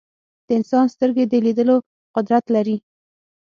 د انسان سترګې د لیدلو قدرت لري.